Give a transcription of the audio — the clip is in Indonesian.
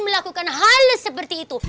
melakukan hal seperti itu